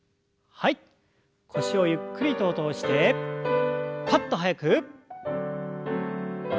腰をゆっくりと落としてパッと速く。